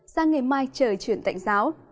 sang ngày mai trời chuyển tạnh giáo